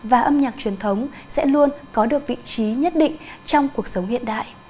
và âm nhạc truyền thống sẽ luôn có được vị trí nhất định trong cuộc sống hiện đại